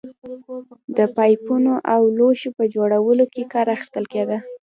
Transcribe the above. د پایپونو او لوښو په جوړولو کې کار اخیستل کېده